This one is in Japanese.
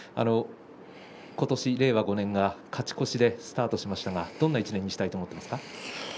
今年、令和５年が勝ち越しでスタートしましたがどんな１年にしたいですか。